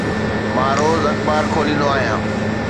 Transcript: مان روز اخبار کوليندو آهيان.